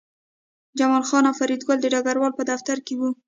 جمال خان او فریدګل د ډګروال په دفتر کې وو